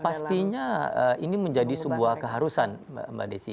pastinya ini menjadi sebuah keharusan mbak desi